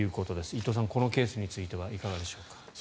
伊藤さん、このケースについてはいかがでしょう。